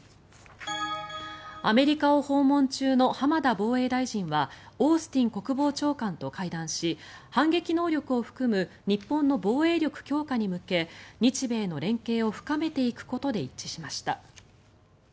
アメリカを訪問中の浜田防衛大臣はオースティン国防長官と会談し反撃能力を含む日本の防衛力強化に向けて日米の連携を深めていくことで一致しました。